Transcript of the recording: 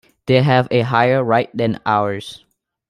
They have a higher right than ours.